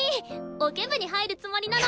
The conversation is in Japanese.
オケ部に入るつもりなの。